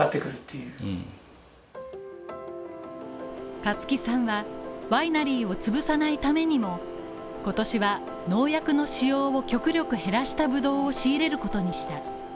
香月さんはワイナリーを潰さないためにも今年は農薬の使用を極力減らしたブドウを仕入れることにした。